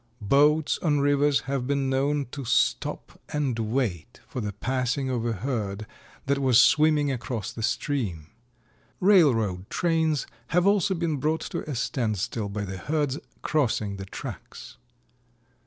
Boats on rivers have been known to stop and wait for the passing of a herd that was swimming across the stream. Railroad trains have also been brought to a standstill by the herds crossing the tracks.